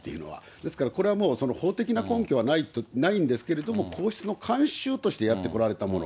ですから、これはもう法的な根拠はないんですけれども、皇室の慣習としてやってこられたもの。